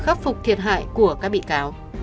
khắc phục thiệt hại của các bị cáo